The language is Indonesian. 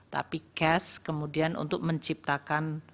tapi cash kemudian untuk menciptakan